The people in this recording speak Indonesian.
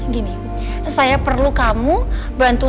gini saya perlu bantuan kamu